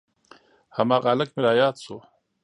هماغه هلک مې راياد سو.